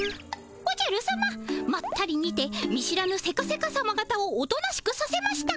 おじゃるさままったりにて見知らぬセカセカさまがたをおとなしくさせました。